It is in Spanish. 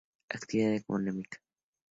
Actividad Económica.